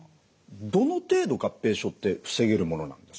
どの程度合併症って防げるものなんですか？